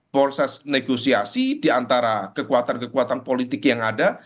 proses negosiasi diantara kekuatan kekuatan politik yang ada